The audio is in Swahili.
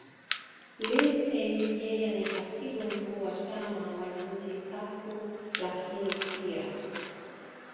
lim seif yeye ni katibu mkuu wa chama wananchi kaf lakini pia